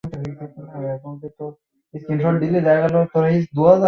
রংপুরে যেমন আফ্রিদি, চিটাগংয়ের হয়ে সেদিনই প্রথম মাঠে নামার কথা ক্রিস গেইলের।